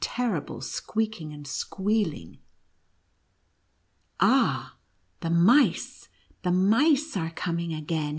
95 terrible squeaking and squealing. "All ! the mice — the mice are coming as^am !"